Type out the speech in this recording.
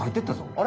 あれ？